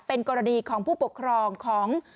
เป็นกรณีของผู้ปกครองของ